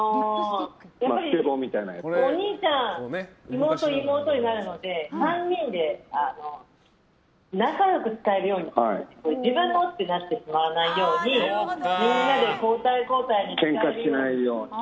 お兄ちゃん、妹、妹といるので３人で仲良く使えるように自分のってなってしまわないようにみんなで交代交代で使えるように。